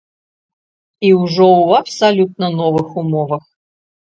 І ўжо ў абсалютна новых умовах.